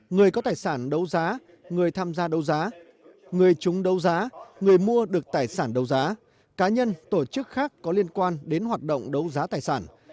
người có tài sản đấu giá người tham gia đấu giá người chúng đấu giá người mua được tài sản đấu giá cá nhân tổ chức khác có liên quan đến hoạt động đấu giá tài sản